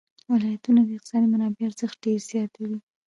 ولایتونه د اقتصادي منابعو ارزښت ډېر زیاتوي.